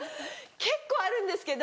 結構あるんですけど。